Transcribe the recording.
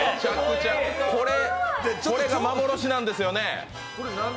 これが幻なんですよね。